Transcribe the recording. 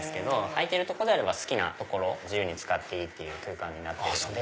空いてるとこであれば好きな所自由に使っていいっていう空間になってるので。